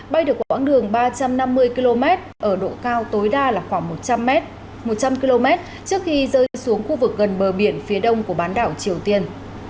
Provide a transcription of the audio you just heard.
bay được quãng đường ba trăm năm mươi km ở độ cao tối đa khoảng một trăm linh km trước khi rơi xuống khu vực gần bờ biển phía đông của bán đảo triều tiên